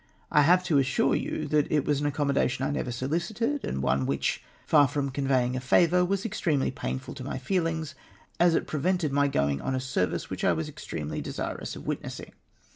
'' I have to assure you that it was an accommodation I never solicited, and one which, far from conveying a favour, was extremely painful to my feelings, as it prevented my going on a service which I was extremely desirous of witnessing.